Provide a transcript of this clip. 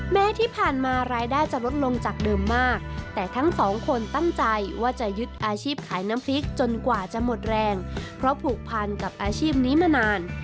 แม้ที่ผ่านมารายได้จะลดลงจากเดิมมากแต่ทั้งสองคนตั้งใจว่าจะยึดอาชีพขายน้ำพริกจนกว่าจะหมดแรงเพราะผูกพันกับอาชีพนี้มานาน